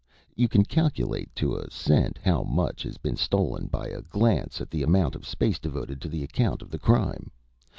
You can calculate to a cent how much has been stolen by a glance at the amount of space devoted to the account of the crime.